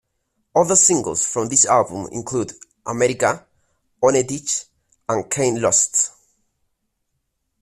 Other singles from this album include "Amerika", "Ohne dich" and "Keine Lust".